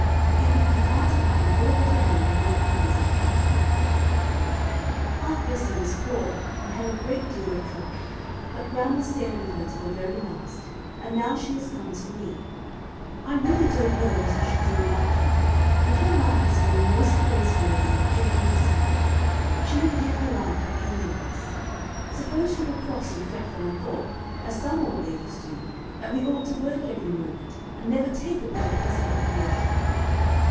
It would be hard to find four better men than your uncles and papa. "Aunt Bessy was poor and had a great deal of trouble, but grandma staid with her to the very last, and now she has come to me. I really don't know what I should do without her, and her life has been most praiseworthy in every respect. She would give her life for any of us. Suppose she were cross and fretful, and thought, as some old ladies do, that we ought to work every moment, and never take a bit of pleasant recreation.